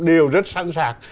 đều rất sẵn sàng